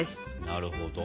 なるほど。